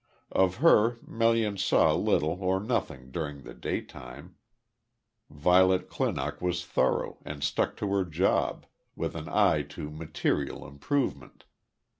Of her, Melian saw little or nothing during the daytime, Violet Clinock was thorough, and stuck to her job, with an eye to material improvement.